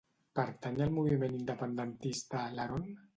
Pertany al moviment independentista l'Arón?